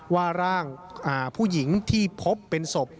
ว่าร่างผู้หญิงที่พบเป็นศพ